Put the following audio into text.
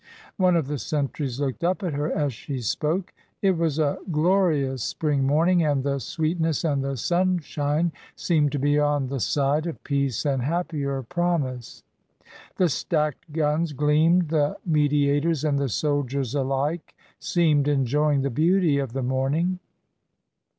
One of the sentries looked up at her as she spoke. It was a glorious spring morning, and the sweet ness and the sunshine seemed to be on the side of peace and happier promise. The stacked guns gleamed, the mediators and the soldiers alike seemed enjoying the beauty of the morning.